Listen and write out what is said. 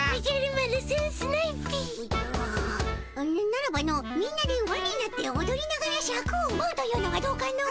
ならばのみんなでわになっておどりながらシャクをうばうというのはどうかの？